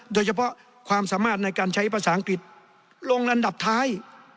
โดยเฉพาะความสามารถในการใช้ภาษาอังกฤษลงอันดับท้าย